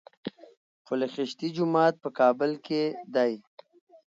پل خشتي جومات په کابل کي دی